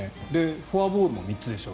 フォアボールも３つでしょ。